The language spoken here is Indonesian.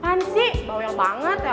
pan sih bau yang banget ya